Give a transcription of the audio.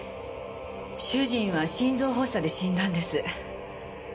主人は心臓発作で死んだんです。